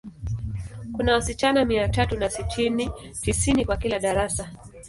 Kuna wasichana mia tatu na sitini, tisini kwa kila darasa.